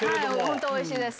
本当おいしいです。